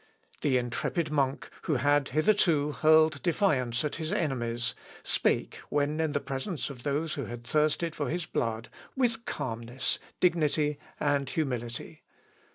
The intrepid monk, who had hitherto hurled defiance at his enemies, spake, when in the presence of those who had thirsted for his blood, with calmness, dignity, and humility.